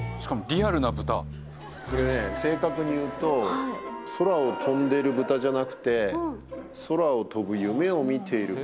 これね正確に言うと空を飛んでる豚じゃなくて夢を見ている豚。